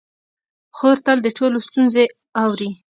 خور تل د ټولو ستونزې اوري.